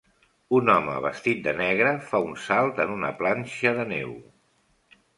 Un home vestit de negre fa un salt en una planxa de neu.